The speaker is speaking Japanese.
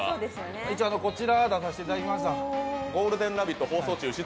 一応こちら出させていただきました。